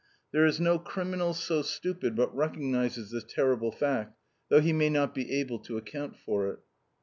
There is no criminal so stupid but recognizes this terrible fact, though he may not be able to account for it.